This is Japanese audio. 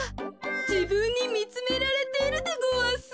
じぶんにみつめられているでごわす。